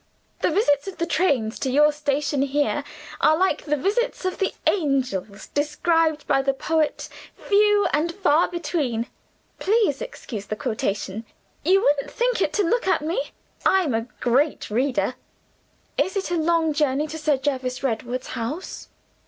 "The visits of the trains to your station here are like the visits of the angels described by the poet, 'few and far between.' Please excuse the quotation. You wouldn't think it to look at me I'm a great reader." "Is it a long journey to Sir Jervis Redwood's house?"